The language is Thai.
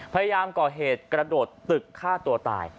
พยายามก่อเหตุกระโดดตึกฆ่าตัวตาย